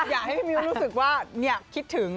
อยากให้พี่มิ้วรู้สึกว่าคิดถึง